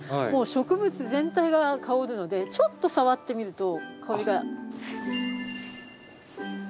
もう植物全体が香るのでちょっと触ってみると香りが。